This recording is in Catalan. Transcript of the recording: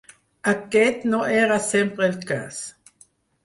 Aquest no era sempre el cas.